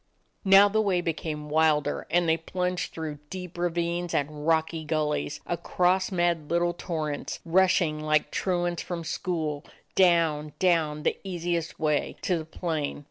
Now the way became wilder and they plunged through deep ravines and rocky gul lies; across imad little torrents, rushing like truants from school, down, down, the easiest way, to the plain.